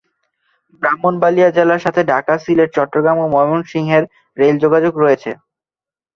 ব্রাহ্মণবাড়িয়া জেলার সাথে ঢাকা, সিলেট, চট্টগ্রাম ও ময়মনসিংহের রেল যোগাযোগ রয়েছে।